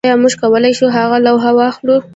ایا موږ کولی شو هغه لوحه واخلو